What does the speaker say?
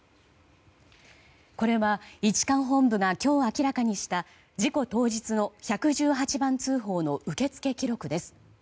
これは、１管本部が今日明らかにした事故当日の１１８番通報の受付記録です。